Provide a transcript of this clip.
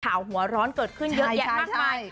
หัวร้อนเกิดขึ้นเยอะแยะมากมาย